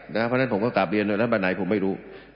เพราะฉะนั้นผมก็ตามเรียนแล้วแล้วบ้านไหนผมไม่รู้